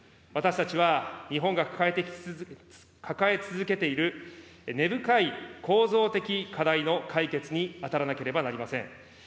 私たちは日本が抱え続けている根深い構造的課題の解決に当たらなければなりません。